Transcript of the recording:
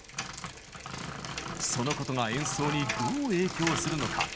そのことが演奏にどう影響するのか。